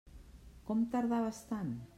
Com tardaves tant?